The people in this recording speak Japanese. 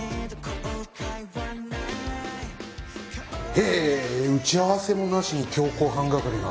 へぇ打ち合わせもなしに強行班係が？